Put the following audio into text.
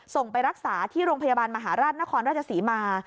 ไปรักษาที่โรงพยาบาลมหาราชนครราชศรีมา